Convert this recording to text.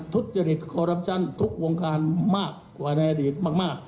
ทุจริตคอรัปชั่นทุกวงการมากกว่าในอดีตมาก